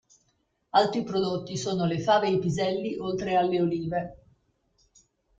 Altri prodotti sono le fave e i piselli, oltre alle olive.